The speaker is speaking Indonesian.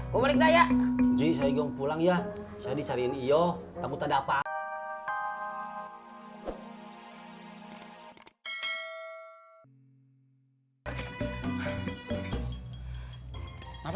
gue balik daya ji saya pulang ya saya disariin iyo takut ada apa apa